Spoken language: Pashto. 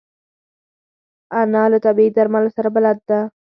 انا له طبیعي درملو سره بلد ده